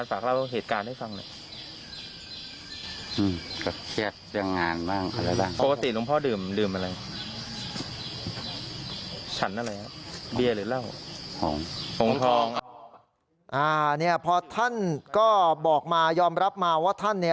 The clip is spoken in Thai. พอท่านก็บอกมายอมรับมาว่าท่าน